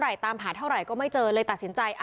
มีความรู้สึกว่ามีความรู้สึกว่า